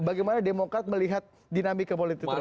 bagaimana demokrat melihat dinamika politik